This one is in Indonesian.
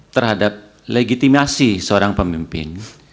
terhadap legitimasi seorang pemimpin